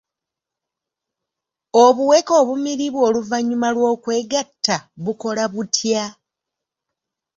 Obuweke obumiribwa oluvannyuma lw'okwegatta bukola butya?